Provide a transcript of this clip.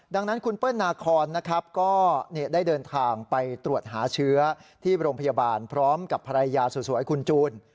ดังนั้นคุณเปิ้ลนาคอนนะครับก็ได้เดินทางไปตรวจหาเชื้อที่โรงพยาบาลพร้อมกับภรรยาสวยคุณจูน